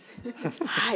はい。